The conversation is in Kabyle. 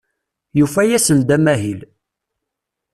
Yufa-asen-d amahil.